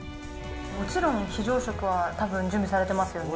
もちろん非常食はたぶん、準備されていますよね？